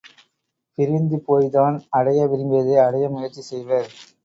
பிரிந்து போய்த் தான் அடைய விரும்பியதை அடைய முயற்சி செய்வர்.